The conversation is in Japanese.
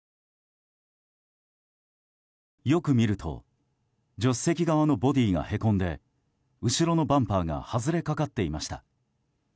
よく見ると助手席側のボディーがへこんで後ろのバンパーが外れかかっていました。